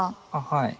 はい。